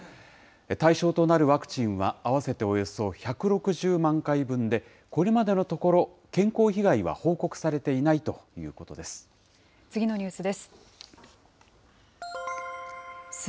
対象となるワクチンは合わせておよそ１６０万回分で、これまでのところ、健康被害は報告されていないということです。